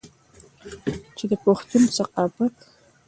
چې د پښتون ثقافت